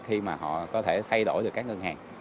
khi mà họ có thể thay đổi được các ngân hàng